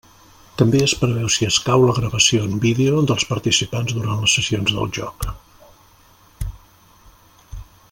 També es preveu si escau la gravació en vídeo dels participants durant les sessions del joc.